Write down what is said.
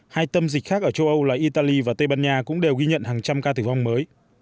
hai tâm dịch khác ở châu âu là italy và tây ban nha cũng đều ghi nhận hàng trăm ca tử vong mới